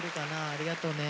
ありがとね。